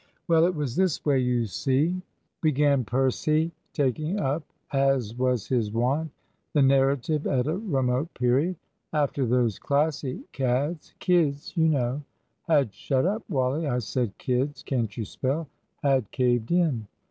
"Well, it was this way, you see," began Percy, taking up, as was his wont, the narrative at a remote period. "After those Classic cads k i d s, you know, had (Shut up, Wally, I said k i d s; can't you spell?) had caved in."